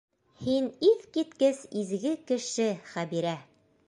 Һин иҫ киткес изге кеше, Хәбирә!